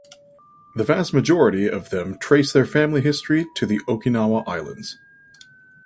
The vast majority of them trace their family history to the Okinawa Islands.